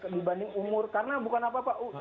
dibanding umur karena bukan apa apa